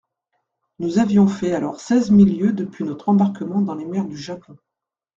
Nous avions fait alors seize mille lieues depuis notre embarquement dans les mers du Japon.